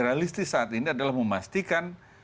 realistis saat ini adalah memastikan